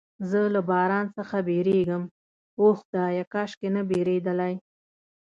زه له باران څخه بیریږم، اوه خدایه، کاشکې نه بیریدلای.